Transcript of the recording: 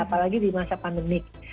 apalagi di masa pandemik